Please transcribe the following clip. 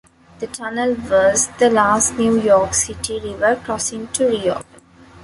The tunnel was the last New York City river crossing to reopen.